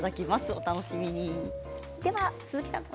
お楽しみに。